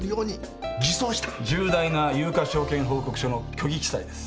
重大な有価証券報告書の虚偽記載です。